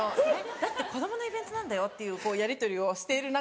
「だって子供のイベントなんだよ」っていうやりとりをしている中